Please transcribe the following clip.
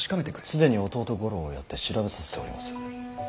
既に弟五郎をやって調べさせております。